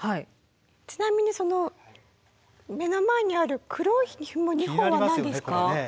ちなみにその目の前にある黒いひも２本は何ですか？